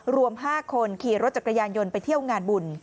รวม๕คนขี่รถจักรยานยนต์ไปเที่ยวงานบุญ